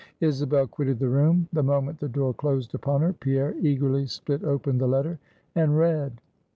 Isabel quitted the room; the moment the door closed upon her, Pierre eagerly split open the letter, and read: II.